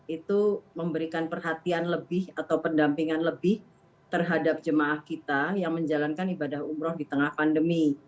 itu memberikan perhatian lebih atau pendampingan lebih terhadap jemaah kita yang menjalankan ibadah umroh di tengah pandemi